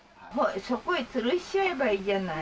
そこへつるしちゃえばいいじゃない。